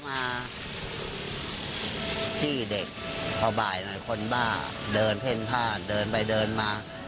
เธอเอามาที่เด็กว่าบ่ายนึงคนบ้าเดินเพลินพลุทางเดินไปเดินมา